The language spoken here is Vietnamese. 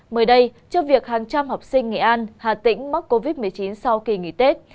mới đây cho việc hàng trăm học sinh nghệ an hà tĩnh mắc covid một mươi chín sau kỳ nghỉ tết